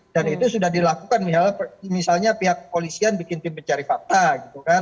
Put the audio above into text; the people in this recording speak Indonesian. dan itu sudah dilakukan misalnya pihak kepolisian bikin tim pencari fakta gitu kan